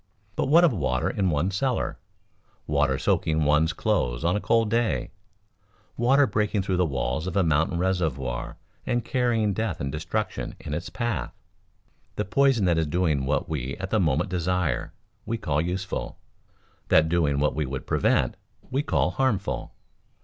But what of water in one's cellar, water soaking one's clothes on a cold day, water breaking through the walls of a mountain reservoir and carrying death and destruction in its path? The poison that is doing what we at the moment desire, we call useful; that doing what we would prevent, we call harmful.